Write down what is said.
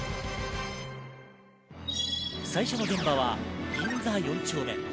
最初の現場は銀座４丁目。